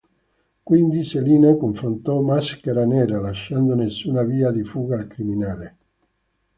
Quindi Selina confrontò Maschera Nera, lasciando nessuna via di fuga al criminale.